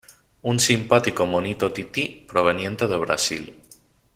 Un simpático monito tití proveniente de Brasil.